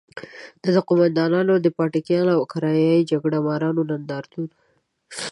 نه د قوماندانانو، پاټکیانو او کرايي جګړه مارانو نندارتون.